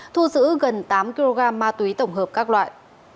thu giữ gần tám kg ma túy tổng hợp các loại